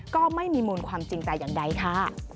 ก็ไม่มีมูลความจริงแต่อย่างใดค่ะ